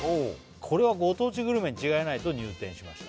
「これはご当地グルメに違いないと入店しました」